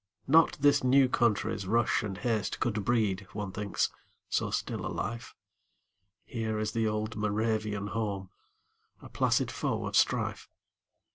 Not this new country's rush and haste Could breed, one thinks, so still a life; Here is the old Moravian home, A placid foe of strife.